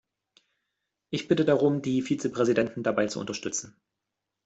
Ich bitte darum, die Vizepräsidenten dabei zu unterstützen.